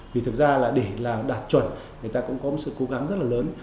vì thực ra là để làm đạt chuẩn người ta cũng có một sự cố gắng rất là lớn